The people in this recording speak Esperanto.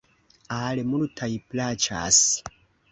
Al multaj plaĉas.